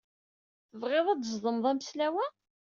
Tebɣiḍ ad d-tzedmeḍ ameslaw-a?